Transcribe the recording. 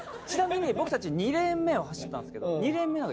ちなみに僕たち２レーン目を走ったんすけど。